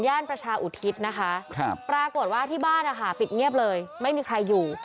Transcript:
ประชาอุทิศนะคะปรากฏว่าที่บ้านนะคะปิดเงียบเลยไม่มีใครอยู่